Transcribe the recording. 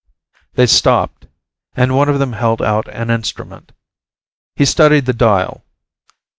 They stopped, and one of them held out an instrument. He studied the dial.